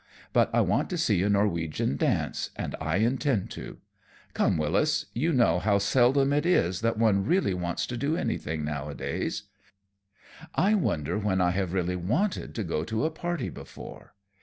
But I want to see a Norwegian dance, and I intend to. Come, Wyllis, you know how seldom it is that one really wants to do anything nowadays. I wonder when I have really wanted to go to a party before.